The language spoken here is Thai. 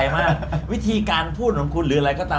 ไม่รู้ล่ะ